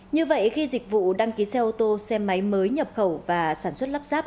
như vậy khi dịch vụ đăng ký xe ô tô xe máy mới nhập khẩu và sản xuất lắp ráp